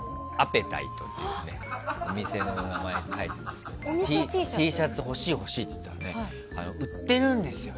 ぺたいとっていうお店の名前、書いてきましたけどＴシャツ欲しい、欲しいって言ってたけど売ってるんですよ。